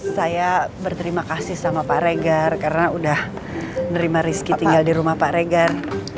saya berterima kasih sama pak regar karena udah nerima rizky tinggal di rumah pak regar